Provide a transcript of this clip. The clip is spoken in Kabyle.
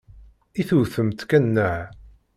I tewtemt kan nneḥ?